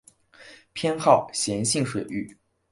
偏好咸性水域。